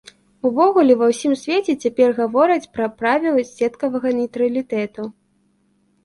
Увогуле ва ўсім свеце цяпер гавораць пра правілы сеткавага нейтралітэту.